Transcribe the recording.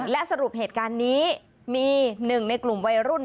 และสรุปเหตุการณ์นี้มีหนึ่งในกลุ่มวัยรุ่น